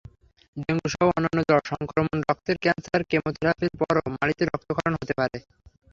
ডেঙ্গুসহ অন্যান্য জ্বর, সংক্রমণ, রক্তের ক্যানসার, কেমোথেরাপির পরও মাড়িতে রক্তক্ষরণ হতে পারে।